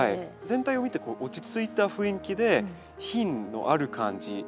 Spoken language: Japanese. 全体を見てこう落ち着いた雰囲気で品のある感じ